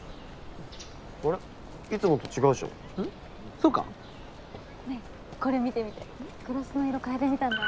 そうか？ねぇこれ見て見てグロスの色変えてみたんだ。